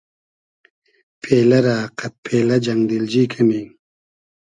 پېلۂ رۂ قئد پېلۂ جئنگ دیلجی کئنی